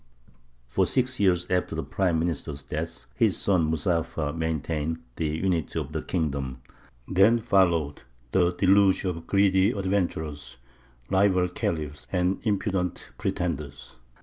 For six years after the Prime Minister's death, his son Muzaffar maintained the unity of the kingdom. Then followed the deluge of greedy adventurers, rival khalifs, and impudent pretenders.